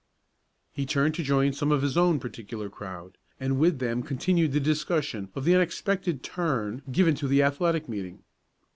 He turned to join some of his own particular crowd, and with them continued the discussion of the unexpected turn given to the athletic meeting.